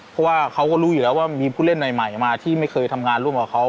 เพราะว่าเขาก็รู้อยู่แล้วว่ามีผู้เล่นใหม่มาที่ไม่เคยทำงานร่วมกับเขา